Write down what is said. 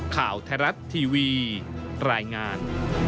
ข่าวไทยรัฐทีวีรายงาน